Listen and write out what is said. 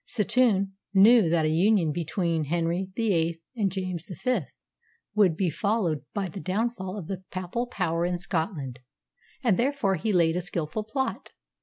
Setoun knew that a union between Henry VIII. and James V. would be followed by the downfall of the papal power in Scotland, and therefore he laid a skilful plot.